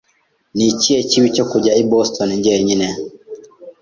Ni ikihe kibi cyo kujya i Boston jyenyine?